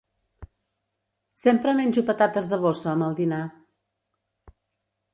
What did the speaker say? Sempre menjo patates de bossa amb el dinar